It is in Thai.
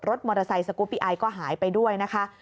รถมอเตอร์ไซค์สกูปปี้ไอก็หายไปด้วยนะคะ